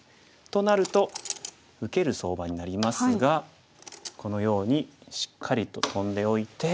となると受ける相場になりますがこのようにしっかりとトンでおいて。